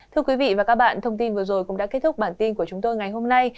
thưa quý vị và các bạn thông tin vừa rồi cũng đã kết thúc bản tin của chúng tôi ngày hôm nay